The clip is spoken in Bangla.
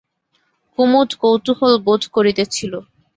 কুমুদ কৌতূহল বোধ করিতেছিল।